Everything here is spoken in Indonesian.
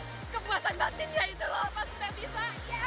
wah kepuasan gantinya itu loh pas sudah bisa